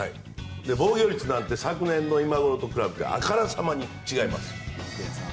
防御率なんて昨年の今頃と比べてあからさまに違います。